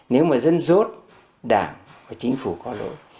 nếu mà dân rốt đảng và chính phủ có lỗi